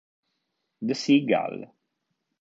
The Sea Gull